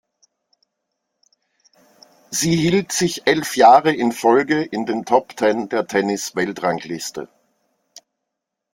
Sie hielt sich elf Jahre in Folge in den Top Ten der Tennis-Weltrangliste.